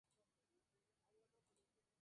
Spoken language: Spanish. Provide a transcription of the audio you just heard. Falleció por un cáncer de pulmón.